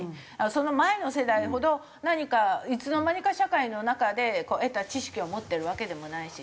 その前の世代ほど何かいつの間にか社会の中で得た知識を持ってるわけでもないし。